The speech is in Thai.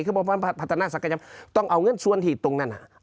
ครับเพลินว่าภันถนาศักดิ์เงินต้องเอาเงินส่วนที่ตรงนั้นอ่ะ